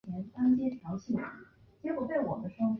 纳希尔圣剑似乎被交给精灵君王。